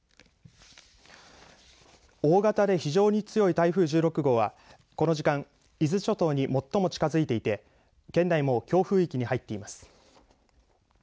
大型で非常に強い台風１６号はこの時間、伊豆諸島に最も近づいていて県内も強風域に入っています。